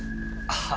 ああ。